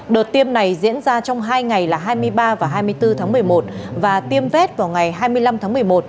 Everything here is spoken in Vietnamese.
đợt tiêm này diễn ra trong hai ngày là hai mươi ba và hai mươi bốn tháng một mươi một và tiêm vét vào ngày hai mươi năm tháng một mươi một